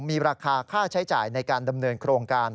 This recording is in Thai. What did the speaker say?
มีราคาค่าใช้จ่ายในการดำเนินโครงการ